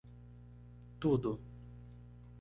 Tudo.